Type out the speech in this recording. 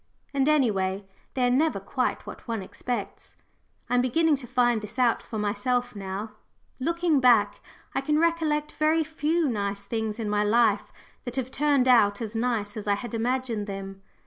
And any way, they are never quite what one expects. I am beginning to find this out for myself now looking back, I can recollect very few nice things in my life that have turned out as nice as I had imagined them.